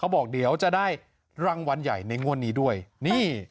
บอกเดี๋ยวจะได้รางวัลใหญ่ในงวดนี้ด้วยนี่